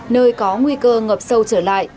nơi có nguy cơ ngập sâu trở lại